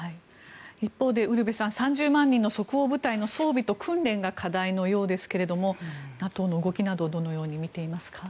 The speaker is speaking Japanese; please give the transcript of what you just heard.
一方でウルヴェさん３０万人の即応部隊の装備と訓練が課題のようですがＮＡＴＯの動きをどのように見ていますか。